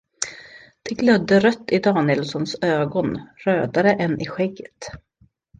Det glödde rött i Danielssons ögon, rödare än i skägget.